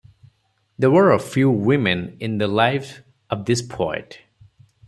There were a few women in the life of this poet.